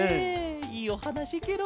いいおはなしケロ！